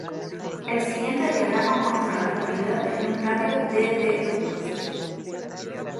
El siguiente diagrama muestra a las localidades en un radio de de Locust.